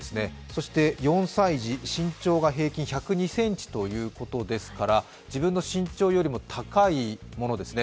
そして４歳児、身長が平均１０２ｃｍということですから、自分の身長よりも高いものですね。